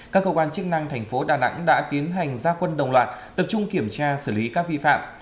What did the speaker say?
các cơ quan chức năng thành phố đà nẵng đã tiến hành gia quân đồng loạt tập trung kiểm tra xử lý các vi phạm